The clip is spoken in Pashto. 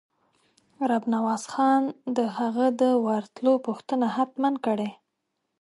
رب نواز خان د هغه د ورتلو پوښتنه حتماً کړې.